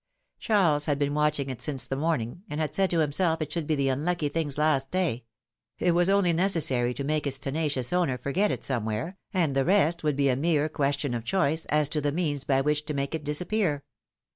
Charles had been watching it since the morning, and had said to himself it should be the unlucky thing's last day; it was only necessary to make its tenacious owner forget it somewhere, and the rest would be a mere ques tion of choice as to the means by which to make it dis appear.